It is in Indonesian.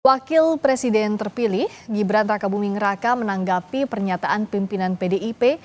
wakil presiden terpilih gibran raka buming raka menanggapi pernyataan pimpinan pdip